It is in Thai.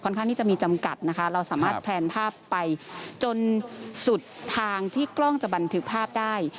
ข้างที่จะมีจำกัดนะคะเราสามารถแพลนภาพไปจนสุดทางที่กล้องจะบันทึกภาพได้